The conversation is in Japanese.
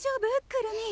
くるみ。